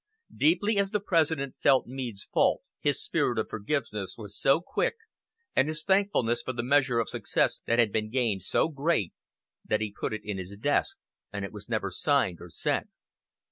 Deeply as the President felt Meade's fault, his spirit of forgiveness was so quick, and his thankfulness for the measure of success that had been gained, so great, that he put it in his desk, and it was never signed or sent.